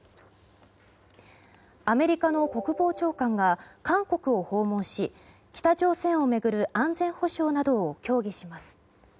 アメリカの国防長官が韓国を訪問し北朝鮮を巡る安全保障などを協議します。